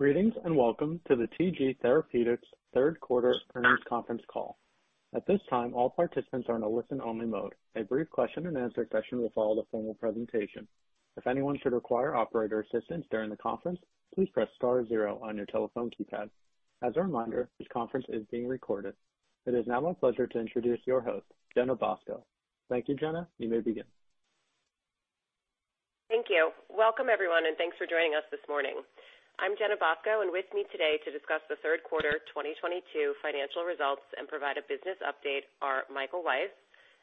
Greetings, and welcome to the TG Therapeutics third quarter earnings conference call. At this time, all participants are in a listen-only mode. A brief question and answer session will follow the formal presentation. If anyone should require operator assistance during the conference, please press star zero on your telephone keypad. As a reminder, this conference is being recorded. It is now my pleasure to introduce your host, Jenna Bosco. Thank you, Jenna. You may begin. Thank you. Welcome, everyone, and thanks for joining us this morning. I'm Jenna Bosco, and with me today to discuss the third quarter 2022 financial results and provide a business update are Michael Weiss,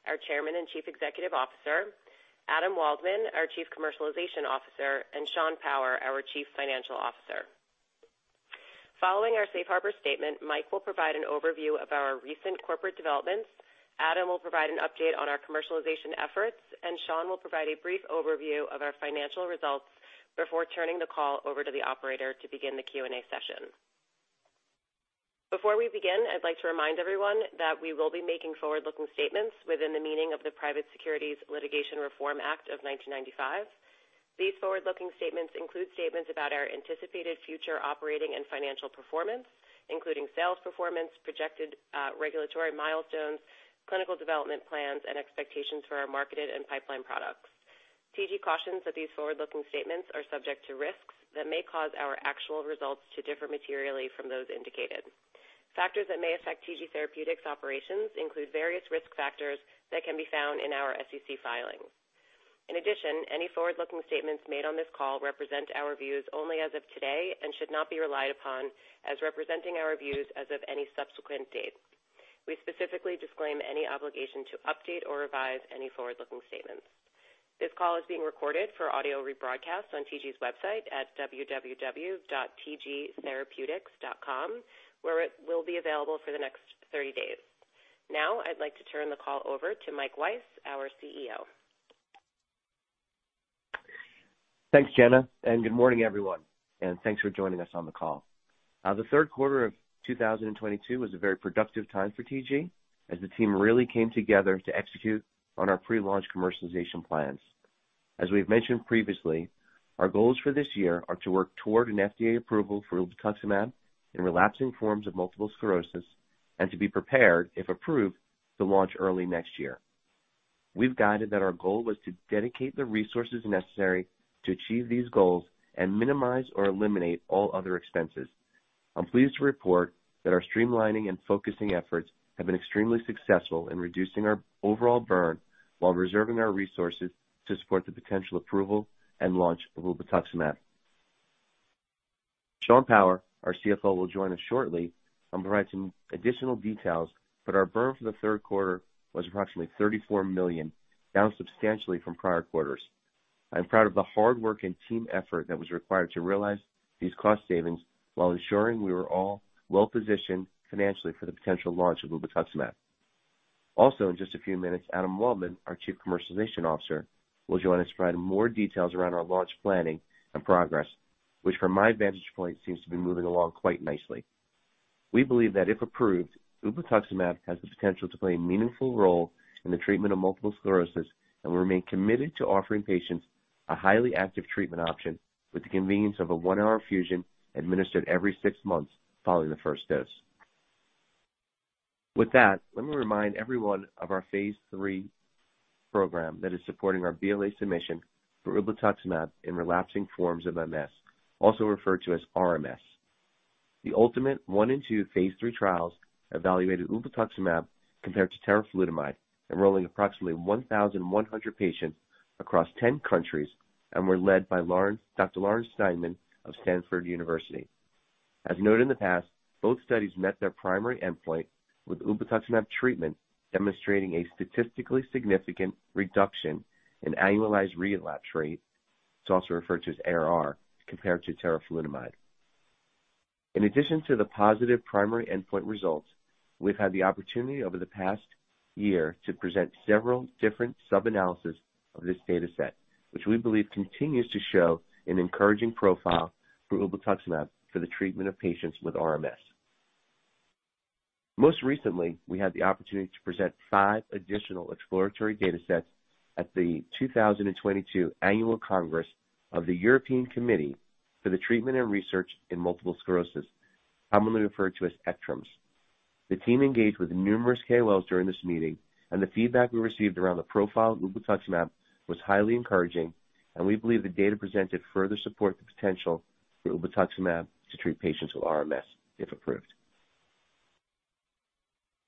our Chairman and Chief Executive Officer, Adam Waldman, our Chief Commercial Officer, and Sean Power, our Chief Financial Officer. Following our safe harbor statement, Mike will provide an overview of our recent corporate developments. Adam will provide an update on our commercialization efforts, and Sean will provide a brief overview of our financial results before turning the call over to the operator to begin the Q&A session. Before we begin, I'd like to remind everyone that we will be making forward-looking statements within the meaning of the Private Securities Litigation Reform Act of 1995. These forward-looking statements include statements about our anticipated future operating and financial performance, including sales performance, projected regulatory milestones, clinical development plans, and expectations for our marketed and pipeline products. TG cautions that these forward-looking statements are subject to risks that may cause our actual results to differ materially from those indicated. Factors that may affect TG Therapeutics operations include various risk factors that can be found in our SEC filings. In addition, any forward-looking statements made on this call represent our views only as of today and should not be relied upon as representing our views as of any subsequent date. We specifically disclaim any obligation to update or revise any forward-looking statements. This call is being recorded for audio rebroadcast on TG's website at www.tgtherapeutics.com, where it will be available for the next 30 days. Now, I'd like to turn the call over to Michael Weiss, our CEO. Thanks, Jenna, and good morning, everyone, and thanks for joining us on the call. The third quarter of 2022 was a very productive time for TG as the team really came together to execute on our pre-launch commercialization plans. As we've mentioned previously, our goals for this year are to work toward an FDA approval for ublituximab in relapsing forms of multiple sclerosis and to be prepared, if approved, to launch early next year. We've guided that our goal was to dedicate the resources necessary to achieve these goals and minimize or eliminate all other expenses. I'm pleased to report that our streamlining and focusing efforts have been extremely successful in reducing our overall burn while reserving our resources to support the potential approval and launch of ublituximab. Sean Power, our CFO, will join us shortly on providing additional details, but our burn for the third quarter was approximately $34 million, down substantially from prior quarters. I'm proud of the hard work and team effort that was required to realize these cost savings while ensuring we were all well-positioned financially for the potential launch of ublituximab. Also, in just a few minutes, Adam Waldman, our Chief Commercial Officer, will join us to provide more details around our launch planning and progress, which from my vantage point seems to be moving along quite nicely. We believe that if approved, ublituximab has the potential to play a meaningful role in the treatment of multiple sclerosis. We remain committed to offering patients a highly active treatment option with the convenience of a 1-hour infusion administered every 6 months following the first dose. With that, let me remind everyone of our phase 3 program that is supporting our BLA submission for ublituximab in relapsing forms of MS, also referred to as RMS. The ULTIMATE 1 and 2 phase 3 trials evaluated ublituximab compared to teriflunomide, enrolling approximately 1,100 patients across 10 countries and were led by Lawrence, Dr. Lawrence Steinman of Stanford University. As noted in the past, both studies met their primary endpoint with ublituximab treatment demonstrating a statistically significant reduction in annualized relapse rate. It's also referred to as ARR, compared to teriflunomide. In addition to the positive primary endpoint results, we've had the opportunity over the past year to present several different sub-analysis of this data set, which we believe continues to show an encouraging profile for ublituximab for the treatment of patients with RMS. Most recently, we had the opportunity to present 5 additional exploratory data sets at the 2022 Annual Congress of the European Committee for the Treatment and Research in Multiple Sclerosis, commonly referred to as ECTRIMS. The team engaged with numerous KOLs during this meeting, and the feedback we received around the profile of ublituximab was highly encouraging, and we believe the data presented further support the potential for ublituximab to treat patients with RMS if approved.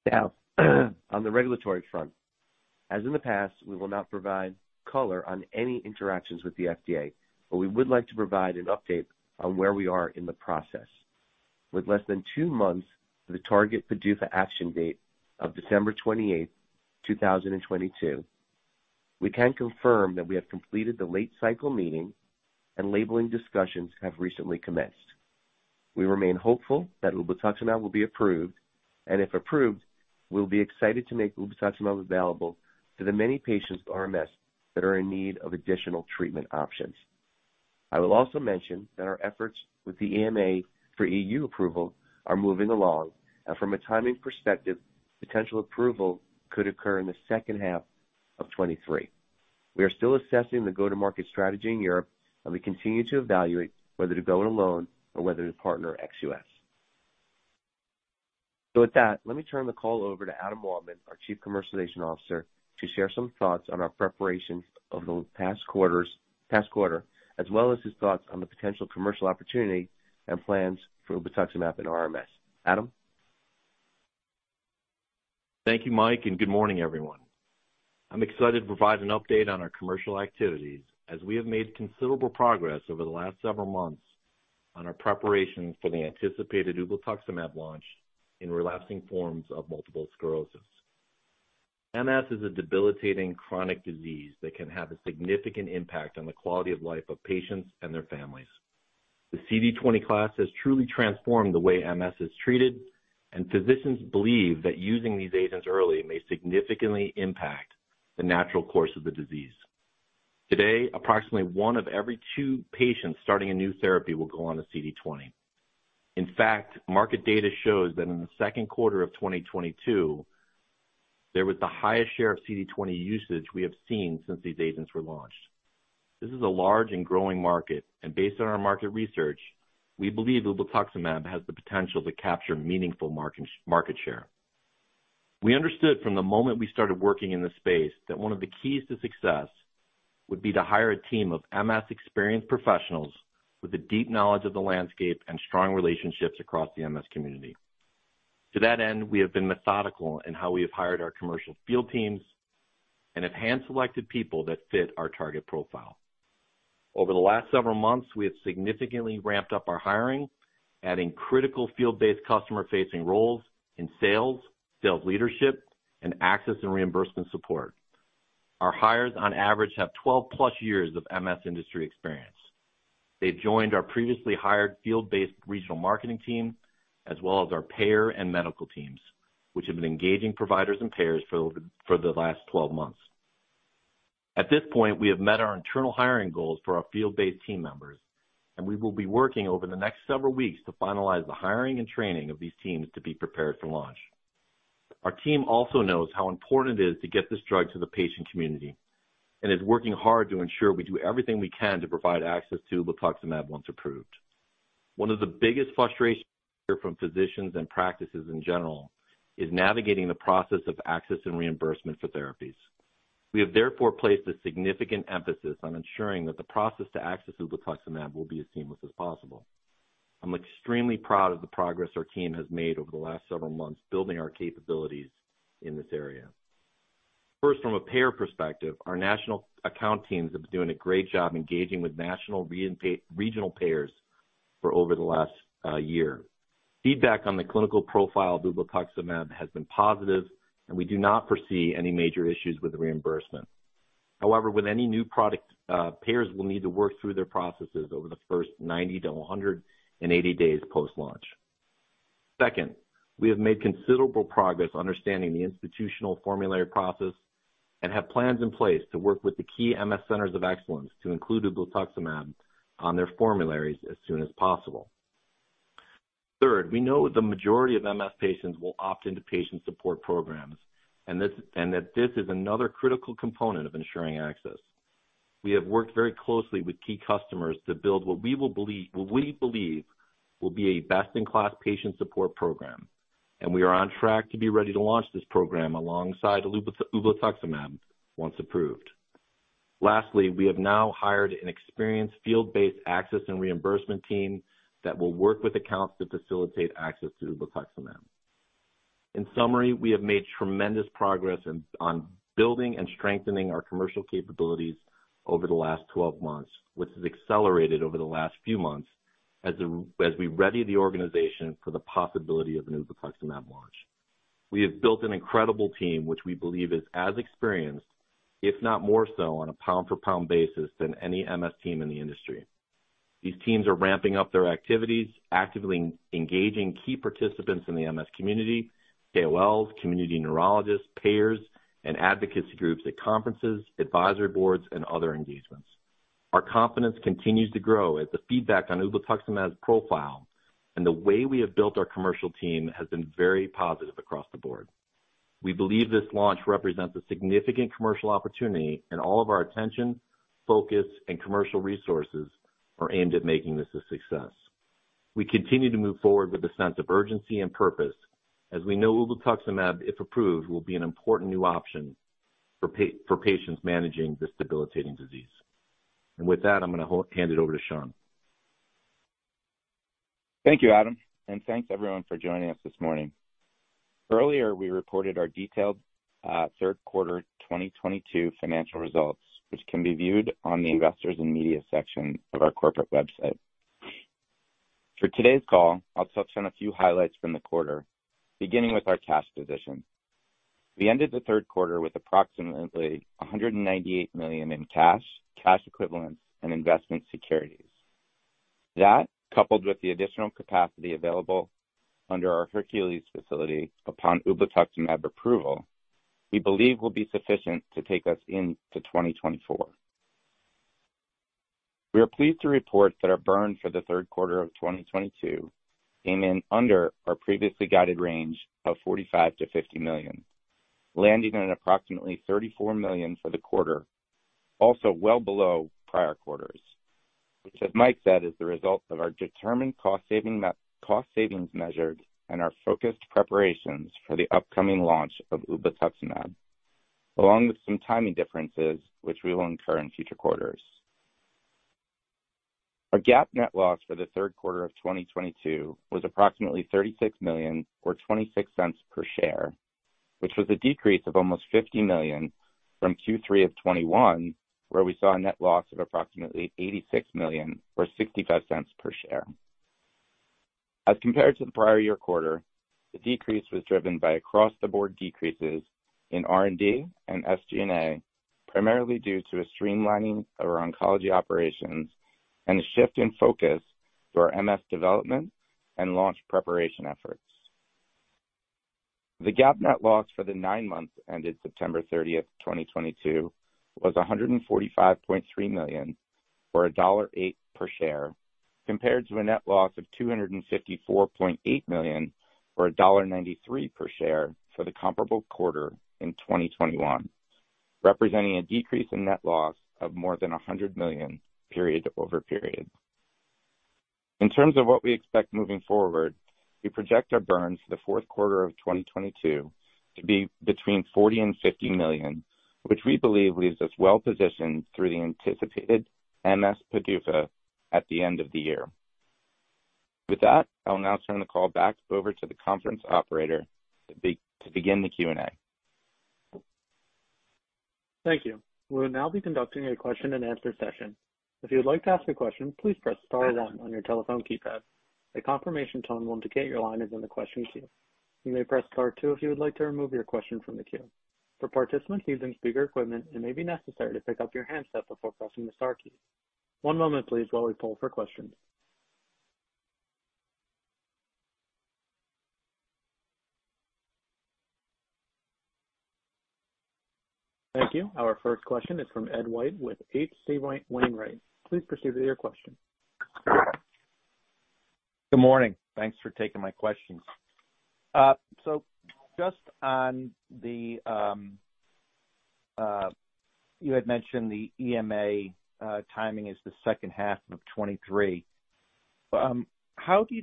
Now on the regulatory front. As in the past, we will not provide color on any interactions with the FDA, but we would like to provide an update on where we are in the process. With less than 2 months to the target PDUFA action date of December 28th, 2022, we can confirm that we have completed the late-cycle meeting and labeling discussions have recently commenced. We remain hopeful that ublituximab will be approved, and if approved, we'll be excited to make ublituximab available to the many patients with RMS that are in need of additional treatment options. I will also mention that our efforts with the EMA for EU approval are moving along. From a timing perspective, potential approval could occur in the second half of 2023. We are still assessing the go-to-market strategy in Europe, and we continue to evaluate whether to go it alone or whether to partner ex US. With that, let me turn the call over to Adam Waldman, our Chief Commercial Officer, to share some thoughts on our preparation of the past quarter, as well as his thoughts on the potential commercial opportunity and plans for ublituximab in RMS. Adam? Thank you, Mike, and good morning, everyone. I'm excited to provide an update on our commercial activities as we have made considerable progress over the last several months on our preparation for the anticipated ublituximab launch in relapsing forms of multiple sclerosis. MS is a debilitating chronic disease that can have a significant impact on the quality of life of patients and their families. The CD20 class has truly transformed the way MS is treated, and physicians believe that using these agents early may significantly impact the natural course of the disease. Today, approximately one of every 2 patients starting a new therapy will go on to CD20. In fact, market data shows that in the second quarter of 2022, there was the highest share of CD20 usage we have seen since these agents were launched. This is a large and growing market, and based on our market research, we believe ublituximab has the potential to capture meaningful market share. We understood from the moment we started working in this space that one of the keys to success would be to hire a team of MS-experienced professionals with a deep knowledge of the landscape and strong relationships across the MS community. To that end, we have been methodical in how we have hired our commercial field teams and have hand-selected people that fit our target profile. Over the last several months, we have significantly ramped up our hiring, adding critical field-based customer-facing roles in sales leadership, and access and reimbursement support. Our hires on average have 12+ years of MS industry experience. They've joined our previously hired field-based regional marketing team, as well as our payer and medical teams, which have been engaging providers and payers for the last 12 months. At this point, we have met our internal hiring goals for our field-based team members, and we will be working over the next several weeks to finalize the hiring and training of these teams to be prepared for launch. Our team also knows how important it is to get this drug to the patient community and is working hard to ensure we do everything we can to provide access to ublituximab once approved. One of the biggest frustrations we hear from physicians and practices in general is navigating the process of access and reimbursement for therapies. We have therefore placed a significant emphasis on ensuring that the process to access ublituximab will be as seamless as possible. I'm extremely proud of the progress our team has made over the last several months building our capabilities in this area. First, from a payer perspective, our national account teams have been doing a great job engaging with national and regional payers for over the last year. Feedback on the clinical profile of ublituximab has been positive, and we do not foresee any major issues with reimbursement. However, with any new product, payers will need to work through their processes over the first 90-180 days post-launch. Second, we have made considerable progress understanding the institutional formulary process and have plans in place to work with the key MS centers of excellence to include ublituximab on their formularies as soon as possible. Third, we know the majority of MS patients will opt into patient support programs and that this is another critical component of ensuring access. We have worked very closely with key customers to build what we believe will be a best-in-class patient support program, and we are on track to be ready to launch this program alongside ublituximab once approved. Lastly, we have now hired an experienced field-based access and reimbursement team that will work with accounts to facilitate access to ublituximab. In summary, we have made tremendous progress on building and strengthening our commercial capabilities over the last 12 months, which has accelerated over the last few months as we ready the organization for the possibility of an ublituximab launch. We have built an incredible team, which we believe is as experienced, if not more so on a pound-for-pound basis than any MS team in the industry. These teams are ramping up their activities, actively engaging key participants in the MS community, KOLs, community neurologists, payers, and advocacy groups at conferences, advisory boards, and other engagements. Our confidence continues to grow as the feedback on ublituximab's profile and the way we have built our commercial team has been very positive across the board. We believe this launch represents a significant commercial opportunity, and all of our attention, focus, and commercial resources are aimed at making this a success. We continue to move forward with a sense of urgency and purpose as we know ublituximab, if approved, will be an important new option for patients managing this debilitating disease. With that, I'm gonna hand it over to Sean. Thank you, Adam. Thanks, everyone, for joining us this morning. Earlier, we reported our detailed third quarter 2022 financial results, which can be viewed on the Investors and Media section of our corporate website. For today's call, I'll touch on a few highlights from the quarter, beginning with our cash position. We ended the third quarter with approximately $198 million in cash equivalents, and investment securities. That, coupled with the additional capacity available under our Hercules facility upon ublituximab approval, we believe will be sufficient to take us into 2024. We are pleased to report that our burn for the third quarter of 2022 came in under our previously guided range of $45 million-$50 million, landing on approximately $34 million for the quarter. Also well below prior quarters, which, as Mike said, is the result of our determined cost savings measures and our focused preparations for the upcoming launch of ublituximab, along with some timing differences which we will incur in future quarters. Our GAAP net loss for the third quarter of 2022 was approximately $36 million, or $0.26 per share, which was a decrease of almost $50 million from Q3 of 2021, where we saw a net loss of approximately $86 million, or $0.65 per share. As compared to the prior year quarter, the decrease was driven by across the board decreases in R&D and SG&A, primarily due to a streamlining of our oncology operations and a shift in focus to our MS development and launch preparation efforts. The GAAP net loss for the nine months ended September 30, 2022 was $145.3 million or $1.08 per share, compared to a net loss of $254.8 million or $1.93 per share for the comparable quarter in 2021, representing a decrease in net loss of more than $100 million period-over-period. In terms of what we expect moving forward, we project our burn for the fourth quarter of 2022 to be between $40 million and $50 million, which we believe leaves us well positioned through the anticipated MS PDUFA at the end of the year. With that, I will now turn the call back over to the conference operator to begin the Q&A. Thank you. We'll now be conducting a question and answer session. If you would like to ask a question, please press star one on your telephone keypad. A confirmation tone will indicate your line is in the question queue. You may press star two if you would like to remove your question from the queue. For participants using speaker equipment, it may be necessary to pick up your handset before pressing the star key. One moment please while we poll for questions. Thank you. Our first question is from Ed White with H.C. Wainwright. Please proceed with your question. Good morning. Thanks for taking my questions. Just on the you had mentioned the EMA timing is the second half of 2023. Can you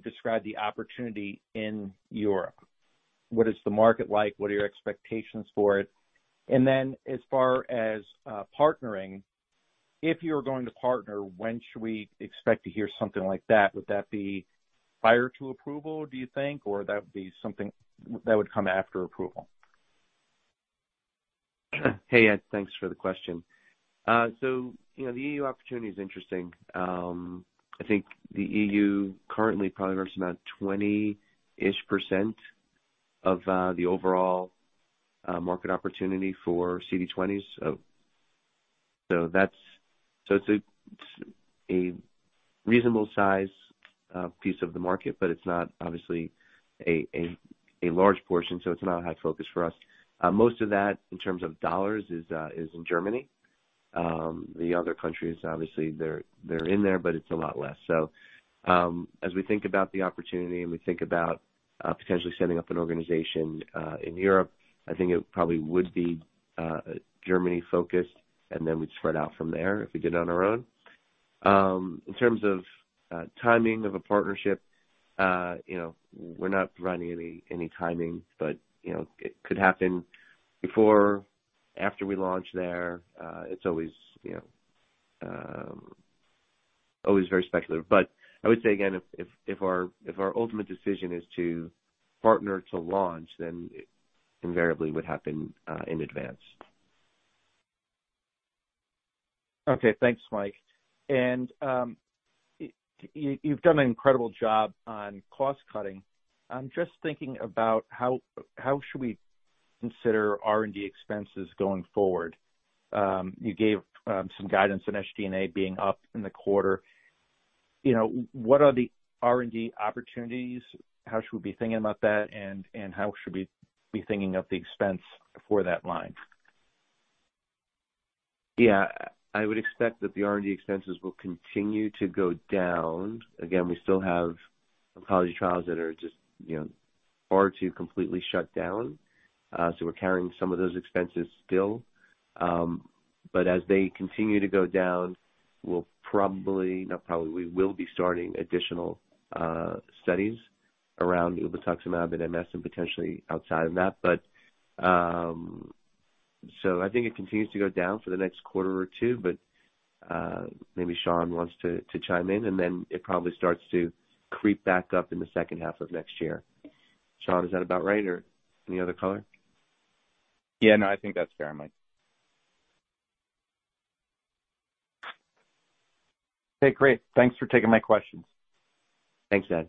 describe the opportunity in Europe? What is the market like? What are your expectations for it? As far as partnering, if you're going to partner, when should we expect to hear something like that? Would that be prior to approval, do you think? Or that would be something that would come after approval? Hey, Ed, thanks for the question. so the EU opportunity is interesting. I think the EU currently probably represents about 20-ish% of the overall market opportunity for CD20. So that's. It's a reasonable size piece of the market, but it's not obviously a large portion, so it's not a high focus for us. Most of that in terms of dollars is in Germany. The other countries, obviously they're in there, but it's a lot less. So, as we think about the opportunity and we think about potentially setting up an organization in Europe, I think it probably would be Germany focused and then we'd spread out from there if we did it on our own. In terms of timing of a partnership we're not providing any timing, but you know, it could happen before, after we launch there. It's always always very speculative. I would say again, if our ultimate decision is to partner to launch, then it invariably would happen in advance. Okay. Thanks, Mike. You've done an incredible job on cost cutting. I'm just thinking about how should we consider R&D expenses going forward. You gave some guidance on SG&A being up in the quarter. You know, what are the R&D opportunities? How should we be thinking about that? How should we be thinking of the expense for that line? Yeah. I would expect that the R&D expenses will continue to go down. Again, we still have oncology trials that are just far from completely shut down. So we're carrying some of those expenses still. As they continue to go down, we will be starting additional studies around ublituximab and MS and potentially outside of that. I think it continues to go down for the next quarter or two, but maybe Sean wants to chime in, and then it probably starts to creep back up in the second half of next year. Sean, is that about right or any other color? Yeah. No, I think that's fair, Mike. Okay, great. Thanks for taking my questions. Thanks, Ed.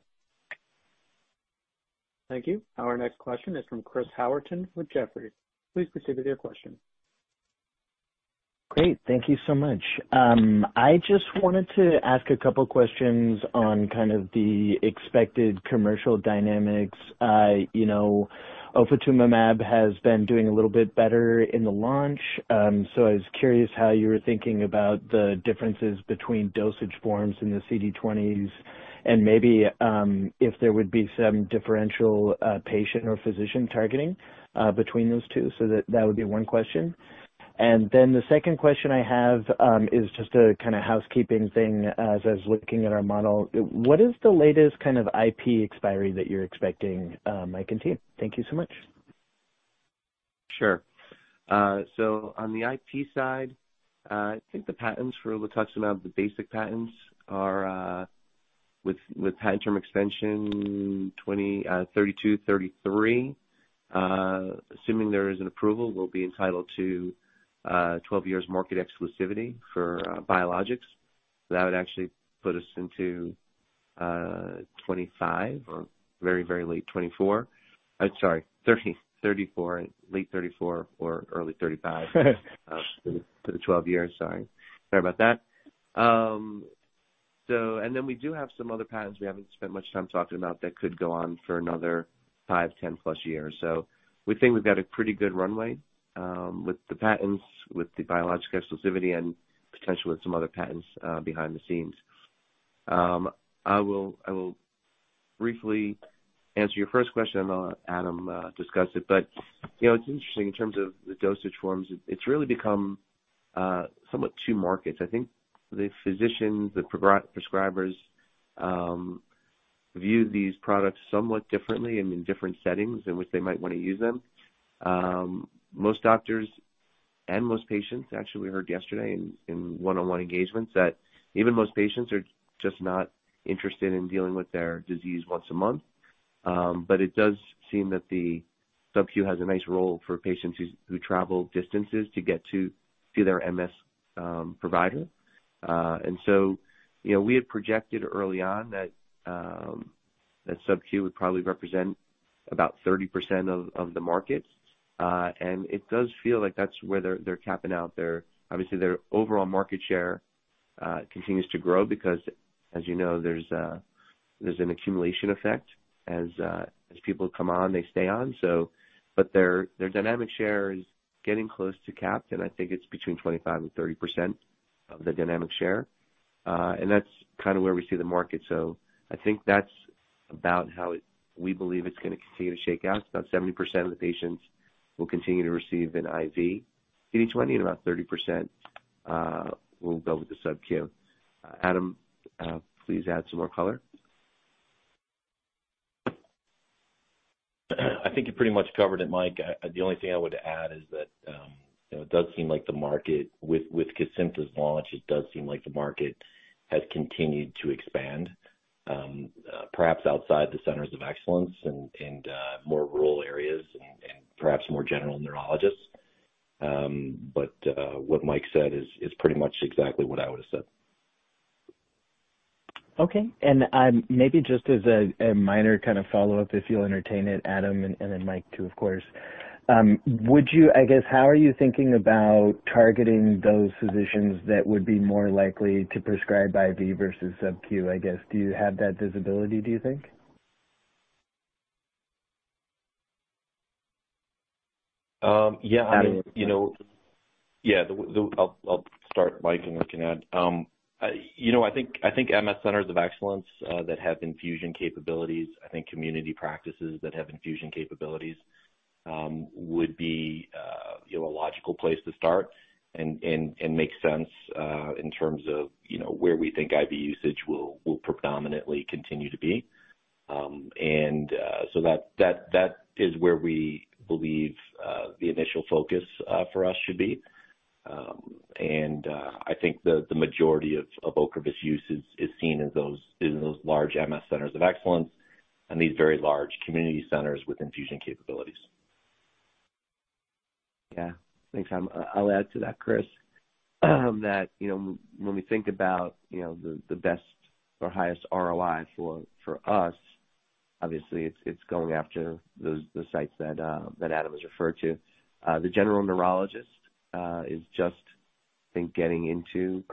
Thank you. Our next question is from Chris Howerton with Jefferies. Please proceed with your question. Great. Thank you so much. I just wanted to ask a couple questions on kind of the expected commercial dynamics. You know, ofatumumab has been doing a little bit better in the launch, so I was curious how you were thinking about the differences between dosage forms in the CD20s and maybe if there would be some differential patient or physician targeting between those two. That would be one question. The second question I have is just a kinda housekeeping thing. As I was looking at our model, what is the latest kind of IP expiry that you're expecting, Mike and team? Thank you so much. Sure. On the IP side, I think the patents for rituximab, the basic patents are, with patent term extension, 2032, 2033. Assuming there is an approval, we'll be entitled to 12 years market exclusivity for biologics. That would actually put us into 2025 or very, very late 2024. I'm sorry, 2034, late 2034 or early 2035 for the 12 years. Sorry. Sorry about that. We do have some other patents we haven't spent much time talking about that could go on for another five, 10+ years. We think we've got a pretty good runway with the patents, with the biologic exclusivity and potentially some other patents behind the scenes. I will briefly answer your first question, and I'll let Adam discuss it. You know, it's interesting in terms of the dosage forms. It's really become somewhat two markets. I think the physicians, the prescribers, view these products somewhat differently and in different settings in which they might wanna use them. Most doctors and most patients actually heard yesterday in one-on-one engagements that even most patients are just not interested in dealing with their disease once a month. It does seem that the subQ has a nice role for patients who travel distances to get to their MS provider. You know, we had projected early on that subQ would probably represent about 30% of the market. It does feel like that's where they're capping out their. Obviously, their overall market share continues to grow because, as you know, there's an accumulation effect. As people come on, they stay on. Their dynamic share is getting close to capped, and I think it's between 25% and 30% of the dynamic share. That's kinda where we see the market. We believe it's gonna continue to shake out. About 70% of the patients will continue to receive an IV CD20, and about 30% will go with the subQ. Adam, please add some more color. I think you pretty much covered it, Mike. The only thing I would add is that it does seem like the market, with Kesimpta's launch, has continued to expand, perhaps outside the centers of excellence and more rural areas and perhaps more general neurologists. What Mike said is pretty much exactly what I would've said. Okay. Maybe just as a minor kind of follow-up, if you'll entertain it, Adam, and then Mike too, of course. I guess, how are you thinking about targeting those physicians that would be more likely to prescribe IV versus subQ, I guess? Do you have that visibility, do you think? Yeah. Adam. I mean, you know. Yeah. I'll start, Mike, and we can add. You know, I think MS centers of excellence that have infusion capabilities, I think community practices that have infusion capabilities would be a logical place to start and makes sense in terms of you know, where we think IV usage will predominantly continue to be. I think the majority of Ocrevus use is seen in those large MS centers of excellence and these very large community centers with infusion capabilities. Yeah. Thanks, Adam. I'll add to that, Chris, that when we think about the best or highest ROI for us, obviously it's going after those sites that Adam has referred to. The general neurologist is just, I think, getting into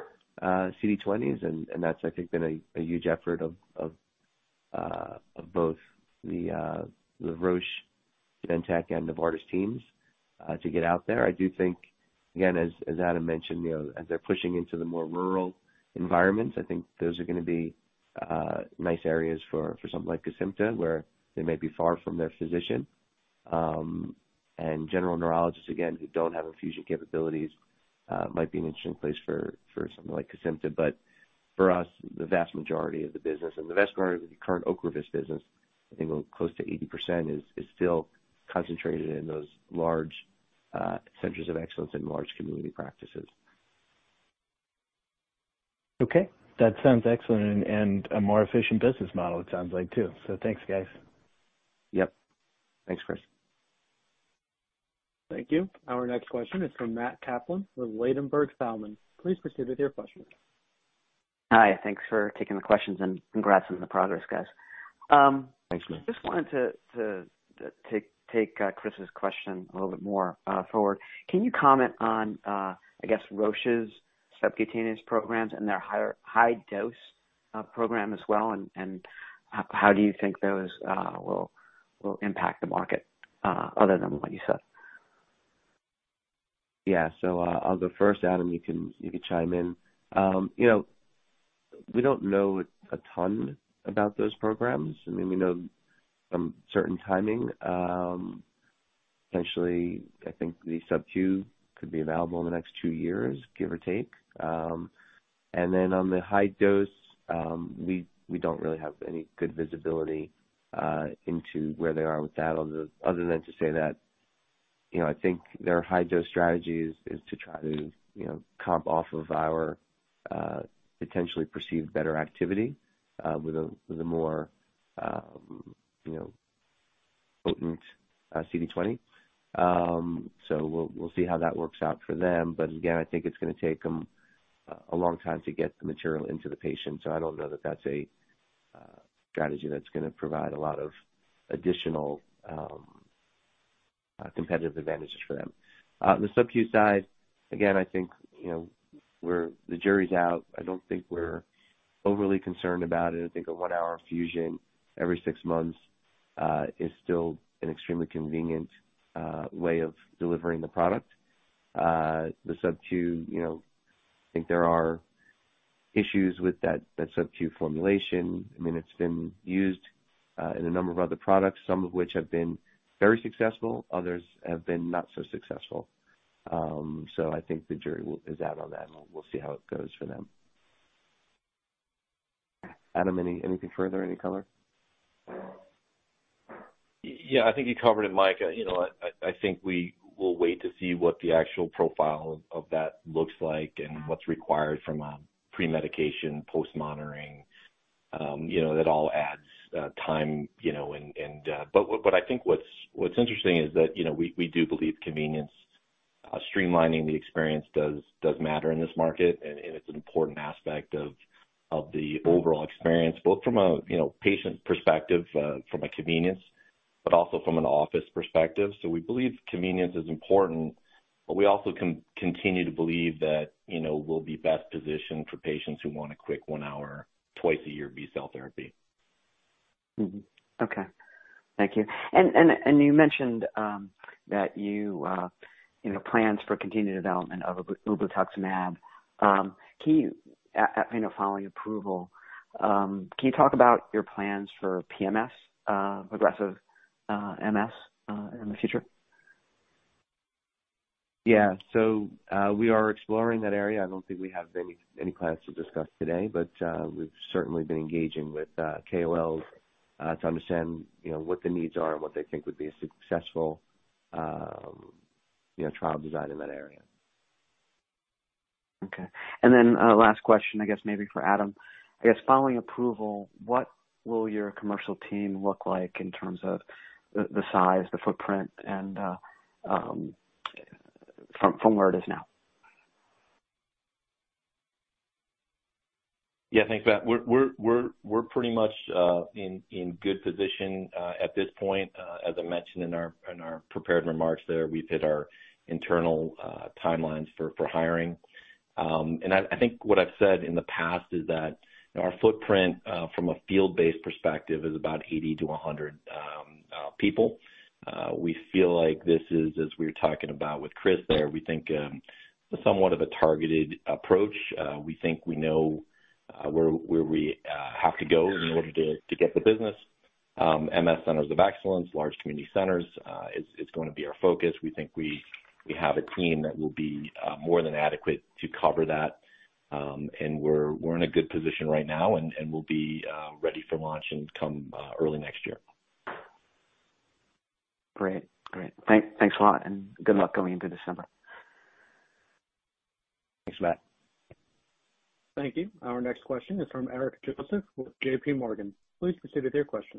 CD20s, and that's, I think, been a huge effort of both the Roche Genentech and Novartis teams to get out there. I do think, again, as Adam mentioned as they're pushing into the more rural environments, I think those are gonna be nice areas for something like Kesimpta, where they may be far from their physician. And general neurologists, again, who don't have infusion capabilities, might be an interesting place for something like Kesimpta. For us, the vast majority of the business and the vast majority of the current Ocrevus business, I think close to 80%, is still concentrated in those large centers of excellence and large community practices. Okay. That sounds excellent and a more efficient business model it sounds like too. Thanks, guys. Yep. Thanks, Chris. Thank you. Our next question is from Matthew Kaplan with Ladenburg Thalmann. Please proceed with your question. Hi, thanks for taking the questions and congrats on the progress, guys. Thanks, Matt. Just wanted to take Chris's question a little bit more forward. Can you comment on, I guess, Roche's subcutaneous programs and their high dose program as well? How do you think those will impact the market other than what you said? Yeah. I'll go first, Adam, you can chime in. You know, we don't know a ton about those programs. I mean, we know some certain timing. Potentially, I think the subQ could be available in the next 2 years, give or take. On the high dose, we don't really have any good visibility into where they are with that other than to say that. You know, I think their high dose strategy is to try to you know, comp off of our potentially perceived better activity with a more you know, potent CD20. We'll see how that works out for them. Again, I think it's gonna take them a long time to get the material into the patient, so I don't know that that's a strategy that's gonna provide a lot of additional competitive advantages for them. The subQ side, again, I think the jury's out. I don't think we're overly concerned about it. I think a one-hour infusion every six months is still an extremely convenient way of delivering the product. The subq I think there are issues with that subQ formulation. I mean, it's been used in a number of other products, some of which have been very successful, others have been not so successful. So I think the jury is out on that, and we'll see how it goes for them. Adam, anything further, any color? Yeah, I think you covered it, Mike. You know, I think we will wait to see what the actual profile of that looks like and what's required from a pre-medication, post-monitoring. You know, that all adds time and. I think what's interesting is that we do believe convenience, streamlining the experience does matter in this market, and it's an important aspect of the overall experience, both from a patient perspective, from a convenience, but also from an office perspective. We believe convenience is important, but we also continue to believe that we'll be best positioned for patients who want a quick one-hour, twice-a-year B-cell therapy. Okay. Thank you. You mentioned that you know plans for continued development of ublituximab. Following approval, can you talk about your plans for PPMS, aggressive MS in the future? Yeah. We are exploring that area. I don't think we have any plans to discuss today, but we've certainly been engaging with KOLs to understand what the needs are and what they think would be a successful trial design in that area. Okay. Last question, I guess maybe for Adam. I guess following approval, what will your commercial team look like in terms of the size, the footprint and from where it is now? Yeah, thanks, Matt. We're pretty much in good position at this point. As I mentioned in our prepared remarks there, we've hit our internal timelines for hiring. I think what I've said in the past is that our footprint from a field-based perspective is about 80-100 people. We feel like this is, as we were talking about with Chris there, we think somewhat of a targeted approach. We think we know where we have to go in order to get the business. MS centers of excellence, large community centers is gonna be our focus. We think we have a team that will be more than adequate to cover that. We're in a good position right now, and we'll be ready for launch and come early next year. Great. Thanks a lot, and good luck going into December. Thanks, Matt. Thank you. Our next question is from Eric Joseph with JPMorgan. Please proceed with your question.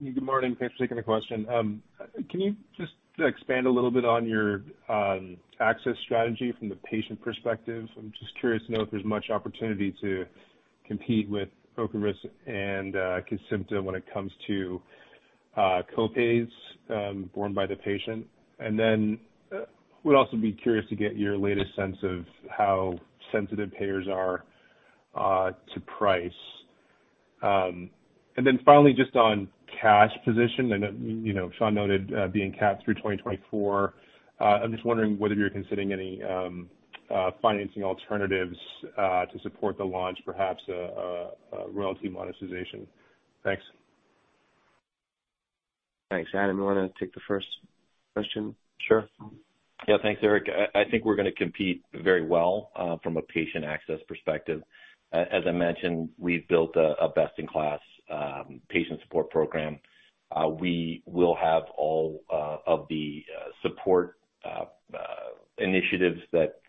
Good morning. Thanks for taking the question. Can you just expand a little bit on your access strategy from the patient perspective? I'm just curious to know if there's much opportunity to compete with Ocrevus and Kesimpta when it comes to copays borne by the patient. Would also be curious to get your latest sense of how sensitive payers are to price. Finally, just on cash position, and you know, Sean noted being capped through 2024. I'm just wondering whether you're considering any financing alternatives to support the launch, perhaps a royalty monetization. Thanks. Thanks. Adam, you wanna take the first question? Sure. Yeah, thanks, Eric. I think we're gonna compete very well from a patient access perspective. As I mentioned, we've built a best-in-class patient support program. We will have all of the support initiatives that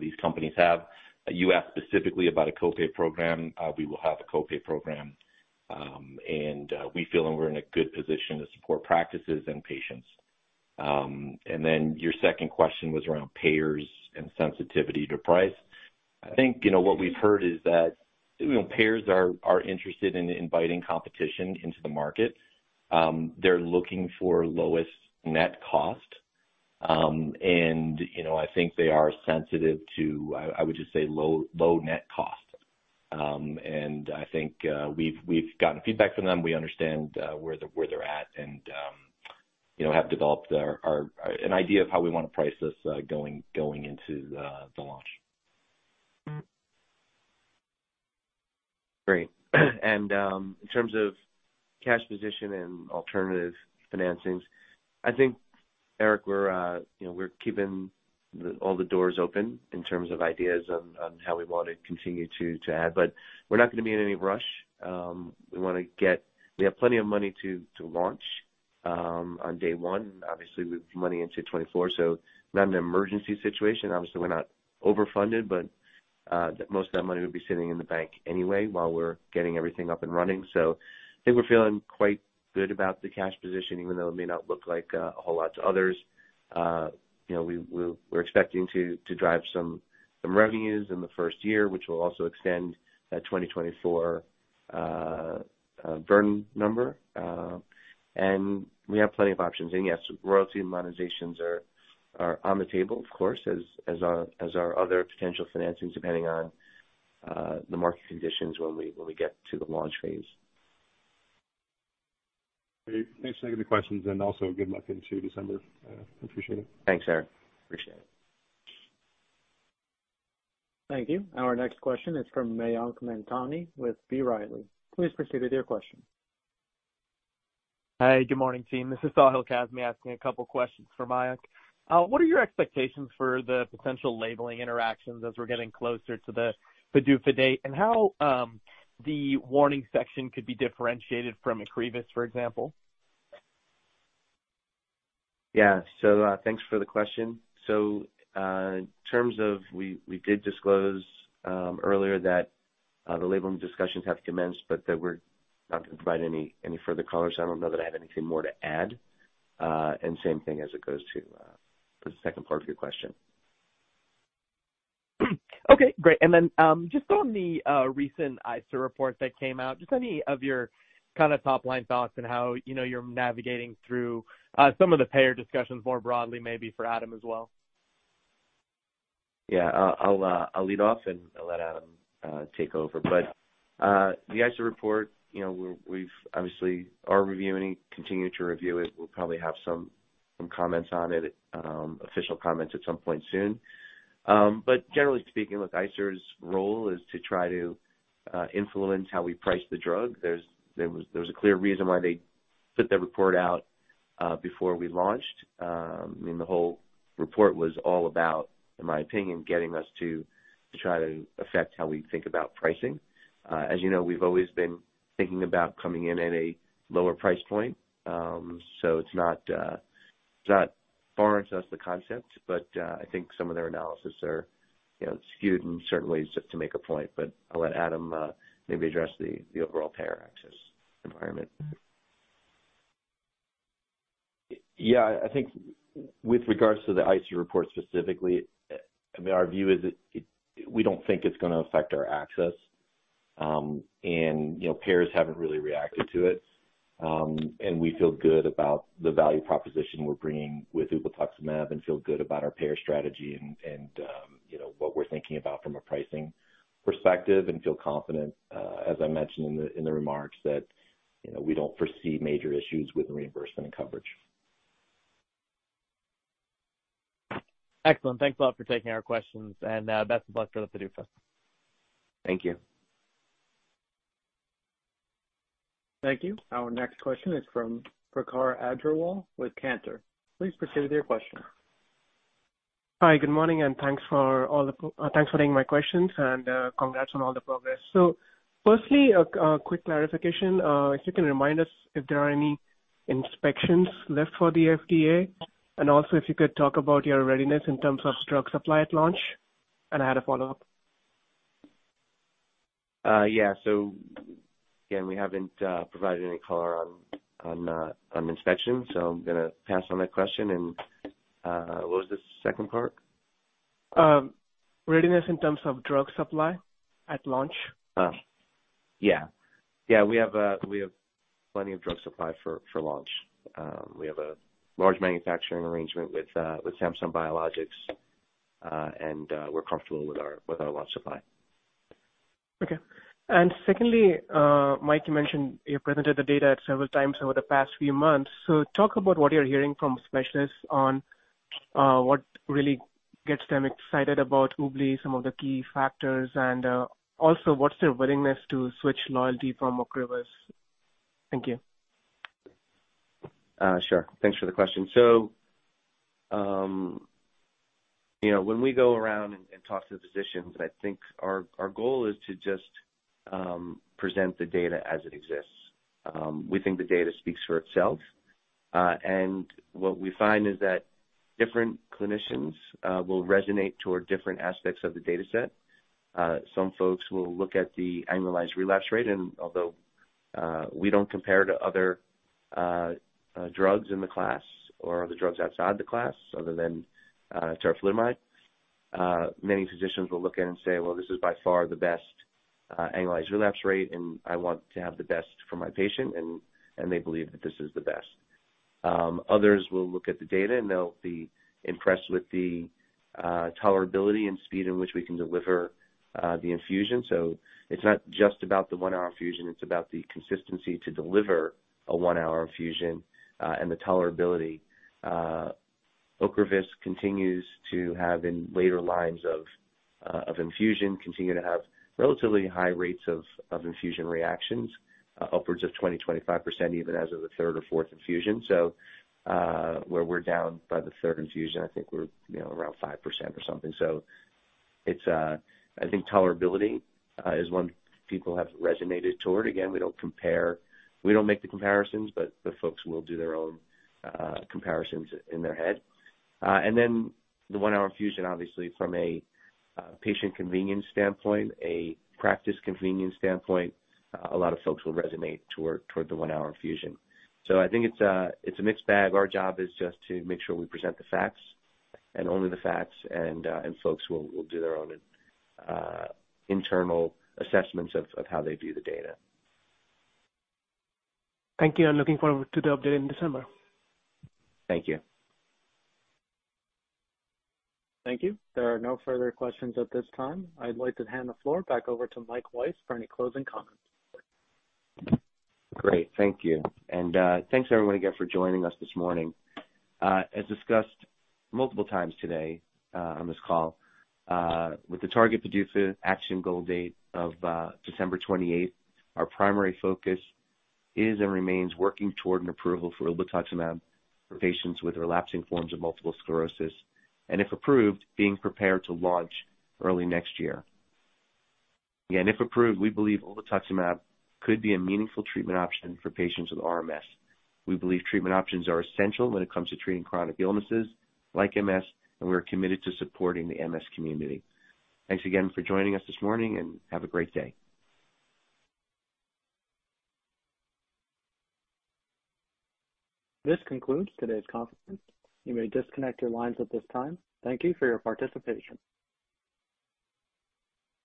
these companies have. You asked specifically about a copay program. We will have a copay program. We feel that we're in a good position to support practices and patients. Your second question was around payers and sensitivity to price. I think what we've heard is that payers are interested in inviting competition into the market. They're looking for lowest net cost. You know, I think they are sensitive to. I would just say low net cost. I think we've gotten feedback from them. We understand where they're at and have developed an idea of how we wanna price this, going into the launch. Great. In terms of cash position and alternative financings, I think, Eric, we're keeping all the doors open in terms of ideas on how we want to continue to add. But we're not gonna be in any rush. We have plenty of money to launch on day one. Obviously, with money into 2024, so not an emergency situation. Obviously, we're not overfunded, but most of that money will be sitting in the bank anyway while we're getting everything up and running. I think we're feeling quite good about the cash position, even though it may not look like a whole lot to others. You know, we're expecting to drive some revenues in the first year, which will also extend that 2024 burn number. We have plenty of options. Yes, royalty monetizations are on the table, of course, as our other potential financings, depending on the market conditions when we get to the launch phase. Great. Thanks for taking the questions, and also good luck into December. Appreciate it. Thanks, Eric. Appreciate it. Thank you. Our next question is from Mayank Mamtani with B. Riley. Please proceed with your question. Hi, good morning, team. This is Sahil Kazmi asking a couple questions for Mayank. What are your expectations for the potential labeling interactions as we're getting closer to the PDUFA date, and how the warning section could be differentiated from Ocrevus, for example? Yeah. Thanks for the question. In terms of we did disclose earlier that the labeling discussions have commenced, but that we're not gonna provide any further color, so I don't know that I have anything more to add. Same thing as it goes to the second part of your question. Okay, great. Just on the recent ICER report that came out, just any of your kinda top-line thoughts on how you're navigating through some of the payer discussions more broadly, maybe for Adam as well. Yeah. I'll lead off, and I'll let Adam take over. The ICER report we've obviously been reviewing and continue to review it. We'll probably have some comments on it, official comments at some point soon. Generally speaking, look, ICER's role is to try to influence how we price the drug. There's a clear reason why they put the report out before we launched. I mean, the whole report was all about, in my opinion, getting us to try to affect how we think about pricing. As you know, we've always been thinking about coming in at a lower price point. It's not foreign to us the concept, but I think some of their analysis are skewed and certainly just to make a point. I'll let Adam maybe address the overall payer access environment. Yeah. I think with regards to the ICER report specifically, I mean, our view is that we don't think it's gonna affect our access. You know, payers haven't really reacted to it. We feel good about the value proposition we're bringing with ublituximab and feel good about our payer strategy and what we're thinking about from a pricing perspective and feel confident, as I mentioned in the remarks, that we don't foresee major issues with reimbursement and coverage. Excellent. Thanks a lot for taking our questions, and best of luck for the PDUFA. Thank you. Thank you. Our next question is from Prakhar Agrawal with Cantor. Please proceed with your question. Hi. Good morning, and thanks for taking my questions and, congrats on all the progress. Firstly, a quick clarification. If you can remind us if there are any inspections left for the FDA? Also if you could talk about your readiness in terms of drug supply at launch. I had a follow-up. Yeah. Again, we haven't provided any color on inspection, so I'm gonna pass on that question. What was the second part? Readiness in terms of drug supply at launch. Oh. Yeah. Yeah, we have plenty of drug supply for launch. We have a large manufacturing arrangement with Samsung Biologics, and we're comfortable with our launch supply. Okay. Secondly, Mike, you mentioned you presented the data several times over the past few months. Talk about what you're hearing from specialists on what really gets them excited about ublituximab, some of the key factors, and also what's their willingness to switch loyalty from Ocrevus? Thank you. Sure. Thanks for the question. You know, when we go around and talk to the physicians, I think our goal is to just present the data as it exists. We think the data speaks for itself. What we find is that different clinicians will resonate toward different aspects of the dataset. Some folks will look at the annualized relapse rate, and we don't compare to other drugs in the class or other drugs outside the class other than teriflunomide. Many physicians will look at it and say, "Well, this is by far the best annualized relapse rate, and I want to have the best for my patient." They believe that this is the best. Others will look at the data, and they'll be impressed with the tolerability and speed in which we can deliver the infusion. It's not just about the one-hour infusion, it's about the consistency to deliver a one-hour infusion and the tolerability. Ocrevus continues to have in later lines of infusion relatively high rates of infusion reactions upwards of 20, 25%, even as of the third or fourth infusion. Where we're down by the third infusion, I think we're around 5% or something. It's, I think tolerability is one people have resonated toward. Again, we don't compare. We don't make the comparisons, but the folks will do their own comparisons in their head. Then the one-hour infusion, obviously from a patient convenience standpoint, a practice convenience standpoint, a lot of folks will resonate toward the one-hour infusion. I think it's a mixed bag. Our job is just to make sure we present the facts and only the facts, and folks will do their own internal assessments of how they view the data. Thank you, and looking forward to the update in December. Thank you. Thank you. There are no further questions at this time. I'd like to hand the floor back over to Mike Weiss for any closing comments. Great, thank you. Thanks everyone again for joining us this morning. As discussed multiple times today, on this call, with the target PDUFA action goal date of December 28th, our primary focus is and remains working toward an approval for ublituximab for patients with relapsing forms of multiple sclerosis, and if approved, being prepared to launch early next year. Again, if approved, we believe ublituximab could be a meaningful treatment option for patients with RMS. We believe treatment options are essential when it comes to treating chronic illnesses like MS, and we are committed to supporting the MS community. Thanks again for joining us this morning and have a great day. This concludes today's conference. You may disconnect your lines at this time. Thank you for your participation.